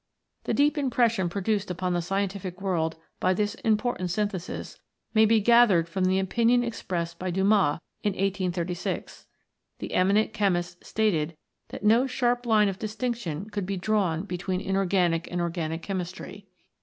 The deep impression pro duced upon the scientific world by this important synthesis may be gathered from the opinion ex pressed by Dumas in 1836. The eminent chemist stated that no sharp line of distinction could be drawn between Inorganic and Organic Chemistry.